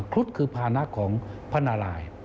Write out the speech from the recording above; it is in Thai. ครุฑคือภานะของพระนาราย